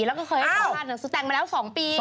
แล้วก็เคยต่างแต่งมาแล้ว๒ปี